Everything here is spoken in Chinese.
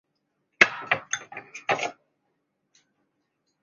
迄今为止学校已经培养出了九位诺贝尔奖得主。